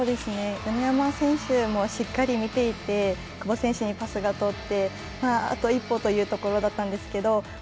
米山選手もしっかり見ていて久保選手にパスが通ってあと一歩というところだったんですけど